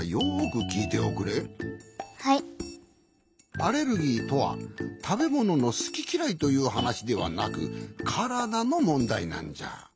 アレルギーとはたべもののすききらいというはなしではなくからだのもんだいなんじゃ。